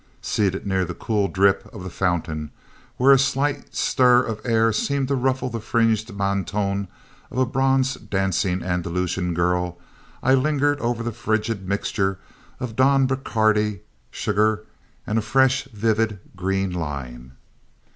"Seated near the cool drip of the fountain, where a slight stir of air seemed to ruffle the fringed mantone of a bronze dancing Andalusian girl, I lingered over the frigid mixture of Don Bacardi, sugar and a fresh, vivid green lime.